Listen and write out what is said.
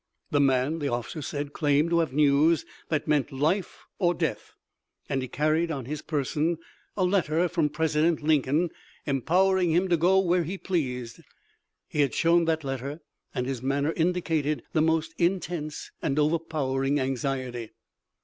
The man, the officer said, claimed to have news that meant life or death, and he carried on his person a letter from President Lincoln, empowering him to go where he pleased. He had shown that letter, and his manner indicated the most intense and overpowering anxiety.